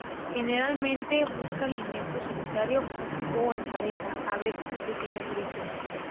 Generalmente busca alimento solitario o en pareja, a veces en pequeños grupos.